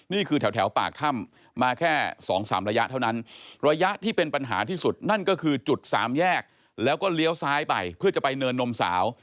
นี่คือแถวปากถ้ำมาแค่๒๓ระยะเท่านั้นระยะที่เป็นปัญหาที่สุดนั่นก็คือจุดสามแยกแล้วก็เลี้ยวซ้ายไปเพื่อจะไปเนินนมสาว